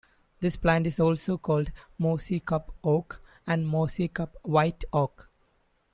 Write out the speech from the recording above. This plant is also called mossycup oak and mossycup white oak.